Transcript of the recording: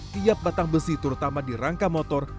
tiap batang besi terutama di rangka motor